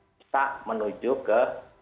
bisa menuju ke